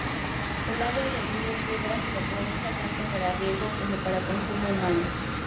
El agua del río Piedras se aprovecha tanto para riego como para consumo humano.